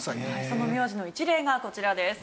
その名字の一例がこちらです。